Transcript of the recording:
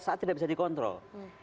saat tidak bisa dikontrol